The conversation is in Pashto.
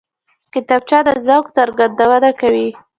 کتابچه د ذوق څرګندونه کوي